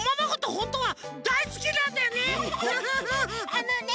あのね